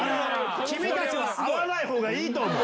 君たちは、会わないほうがいいと思う。